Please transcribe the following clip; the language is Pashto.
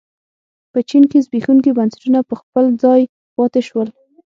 په چین کې زبېښونکي بنسټونه په خپل ځای پاتې شول.